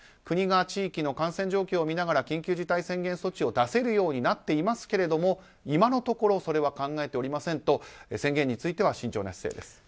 国が地域の感染状況を見ながら緊急事態宣言措置を出せるようになっていますけれども今のところ、それは考えておりませんと宣言については慎重な姿勢です。